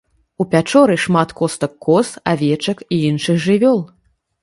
У пячоры шмат костак коз, авечак і іншых жывёл.